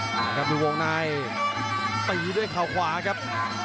ครับดูวงในตีด้วยเขาขวาครับ